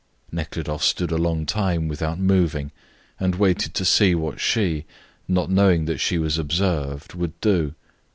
Nekhludoff stood a long time without moving and waited to see what she, not knowing that she was observed, would do.